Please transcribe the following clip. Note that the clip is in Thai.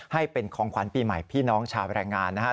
ให้เป็นของขวัญปีใหม่พี่น้องชาวแรงงานนะครับ